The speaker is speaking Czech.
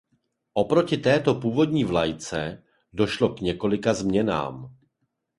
Oproti této původní vlajce došlo k několika změnám.